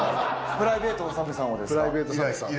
プライベートのＳＡＭさんをですか。